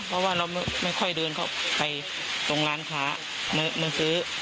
เพราะว่าเราไม่ค่อยเดินเข้าไปตรงร้านค้ามาซื้อ